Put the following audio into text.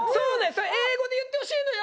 それ英語で言ってほしいのよ！